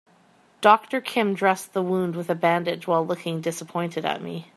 Doctor Kim dressed the wound with a bandage while looking disappointed at me.